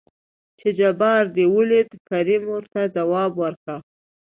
چې جبار دې ولېد؟ کريم ورته ځواب ورکړ.